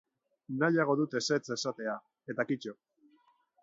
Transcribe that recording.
Nahiago dut ezetz esatea, eta kito.